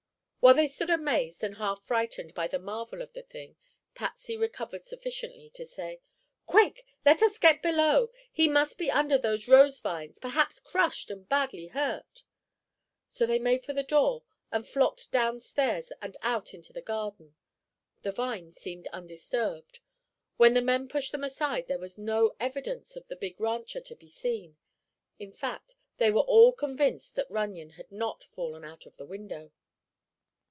While they stood amazed and half frightened by the marvel of the thing, Patsy recovered sufficiently to say: "Quick—let us get below! He must be under those rose vines, perhaps crushed and badly hurt." So they made for the door and flocked downstairs and out into the garden. The vines seemed undisturbed. When the men pushed them aside there was no evidence of the big rancher to be seen. In fact, they were all convinced that Runyon had not fallen out of the window.